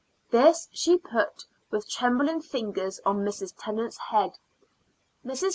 This she put with trembling fingers on Mrs. Tennant's head. Mrs.